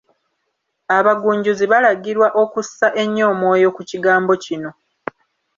Abagunjuzi balagirwa okussa ennyo omwoyo ku kigambo kino.